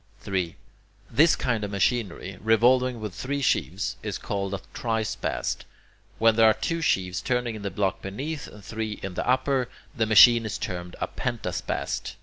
3. This kind of machinery, revolving with three sheaves, is called a trispast. When there are two sheaves turning in the block beneath and three in the upper, the machine is termed a pentaspast.